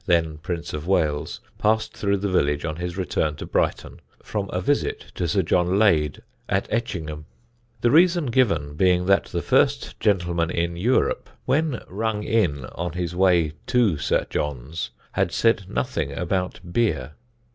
then Prince of Wales, passed through the village on his return to Brighton from a visit to Sir John Lade at Etchingham; the reason given being that the First Gentleman in Europe when rung in on his way to Sir John's had said nothing about beer.